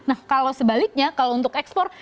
nah kalau sebaliknya kalau untuk ekspor